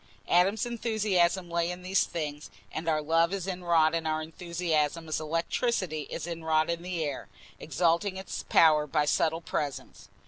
Adam's enthusiasm lay in these things; and our love is inwrought in our enthusiasm as electricity is inwrought in the air, exalting its power by a subtle presence.